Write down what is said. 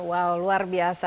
wow luar biasa